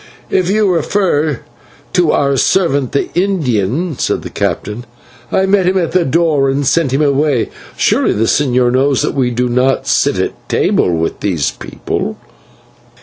"If you refer to your servant, the Indian," said the captain, "I met him at the door and sent him away. Surely the señor knows that we do not sit at table with these people."